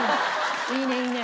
いいねいいね。